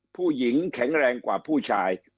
ผู้หญิงแข็งแรงกว่าผู้ชาย